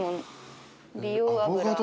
美容油。